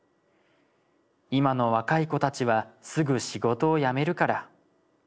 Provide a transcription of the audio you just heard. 『今の若い子たちはすぐ仕事を辞めるから』